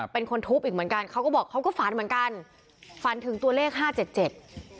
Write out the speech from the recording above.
เป็นคนทุบอีกเหมือนกันเขาก็บอกเขาก็ฝันเหมือนกันฝันถึงตัวเลขห้าเจ็ดเจ็ด